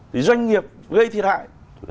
thì doanh nghiệp gây thiệt hại